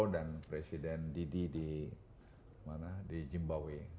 dan presiden didi di jimbawe